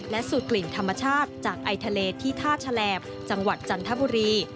สูตรกลิ่นธรรมชาติจากไอทะเลที่ท่าฉลบจังหวัดจันทบุรี